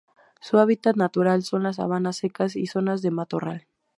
Su hábitat natural son las sabanas secas y zonas de matorral.